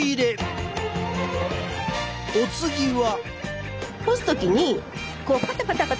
お次は？